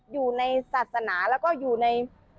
อยู่ในศาสนาแล้วก็อยู่ใน